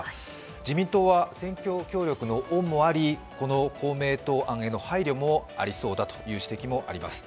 自民党は選挙協力の恩もありこの公明党案への配慮もありそうだという指摘もあります。